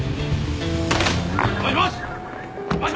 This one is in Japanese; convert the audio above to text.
もしもし！